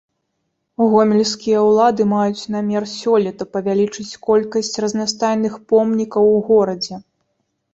Гомельскія ўлады маюць намер сёлета павялічыць колькасць разнастайных помнікаў у горадзе.